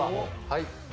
はい。